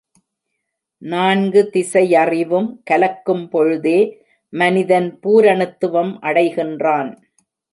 நான்கு திசையறிவும் கலக்கும் பொழுதே மனிதன் பூரணத்துவம் அடைகின்றான்.